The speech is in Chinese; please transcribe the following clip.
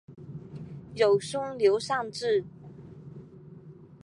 有兄刘尚质。